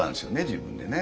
自分でね。